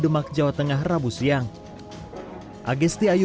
masalahnya itu saya memaafkan